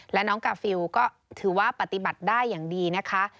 และน้องกาฟิลก็ถือว่าปฏิบัติได้อย่างดีนะคะ